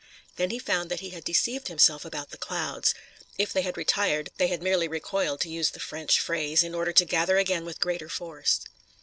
Then he found that he had deceived himself about the clouds. If they had retired, they had merely recoiled, to use the French phrase, in order to gather again with greater force.